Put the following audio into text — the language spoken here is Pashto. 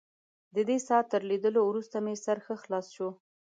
ددې څاه تر لیدلو وروسته مې سر ښه خلاص شو.